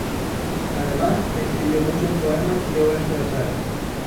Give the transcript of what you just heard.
Además, escribió muchos poemas y obras teatrales.